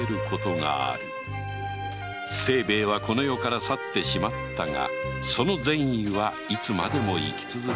清兵衛はこの世から去ってしまったがその善意はいつまでも生き続ける。